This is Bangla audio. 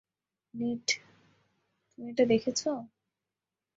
নেট, তুমি এটা দেখেছো?